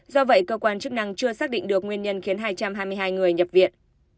do vậy cơ quan chức năng chưa xác định được nguyên nhân khiến hai trăm hai mươi hai người nhập viện